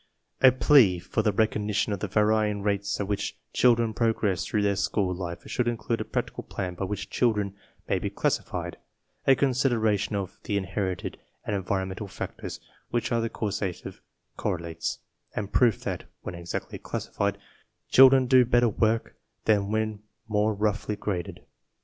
A plea for the recognition of the varying rates at which children progress through their school life should include a practical plan by which children may be classified, a consideration of the inherited and environ mental factors which are the causative correlates, and proof that, when exactly classified, children d6 better work than when more roughly graded.